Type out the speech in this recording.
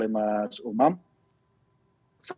saya ingin saya sampaikan kepada mas umam